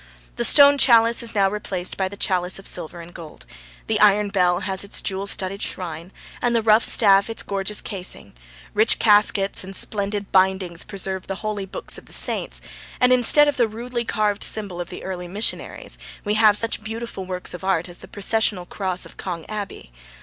The stone chalice is now replaced by the chalice of silver and gold; the iron bell has its jewel studded shrine, and the rough staff its gorgeous casing; rich caskets and splendid bindings preserve the holy books of the Saints and, instead of the rudely carved symbol of the early missionaries, we have such beautiful works of art as the processional cross of Cong Abbey.